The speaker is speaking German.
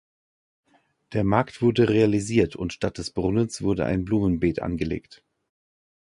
Der Markt wurde realisiert und statt des Brunnens wurde ein Blumenbeet angelegt.